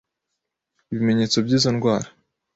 Ibimenyetso by’izo ndwara